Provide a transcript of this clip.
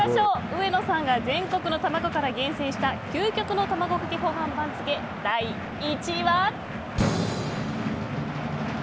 上野さんが全国の卵から厳選した究極のたまごかけご飯番付第１位は。